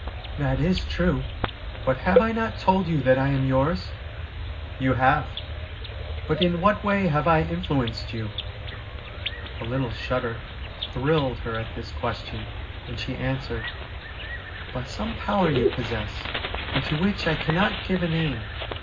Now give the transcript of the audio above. ' That is true, but have I not told you that I am yours ?'' You have. But in what way have I influenced you ?' A little shudder thrilled her at this question, and she answered :' By some power you possess, and to which I cannot give a name.